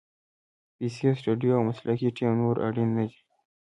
پیسې، سټوډیو او مسلکي ټیم نور اړین نه دي.